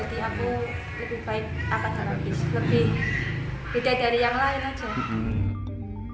lebih beda dari yang lain aja